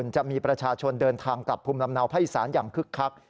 จะมีประชาชนเดินทางกลับภูมิลำเนาภาคอีสานอย่างคึกคัก